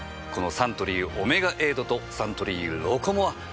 このサントリーオメガエイドとサントリーロコモア。